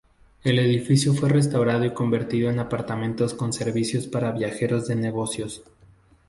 El edificio fue restaurado y convertido en apartamentos con servicios para viajeros de negocios.